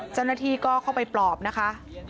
เจ้าหน้าที่ก็เข้าไปปลอบนะคะ